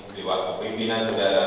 diwakui pimpinan saudara